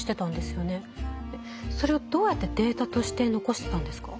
それをどうやってデータとして残してたんですか？